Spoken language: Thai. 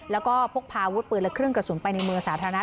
แล้วก็พกพาอาวุธปืนและเครื่องกระสุนไปในเมืองสาธารณะ